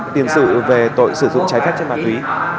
tiền sự về tội sử dụng trái phép chất ma túy